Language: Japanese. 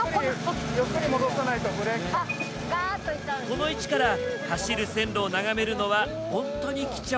この位置から走る線路を眺めるのはホントに貴重。